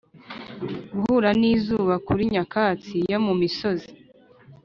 guhura n'izuba kuri nyakatsi yo mu misozi;